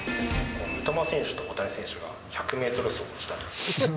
三笘選手と大谷選手が１００メートル走をしたとすると。